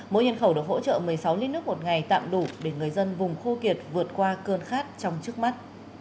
mỗi nhân khẩu được hỗ trợ một mươi sáu lít nước một ngày tạm đủ để người dân vùng khô kiệt vượt qua cơn khát trong trước mắt